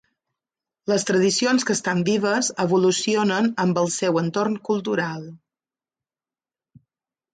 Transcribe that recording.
Les tradicions que estan vives evolucionen amb el seu entorn cultural.